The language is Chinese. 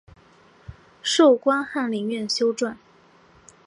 授官翰林院修撰。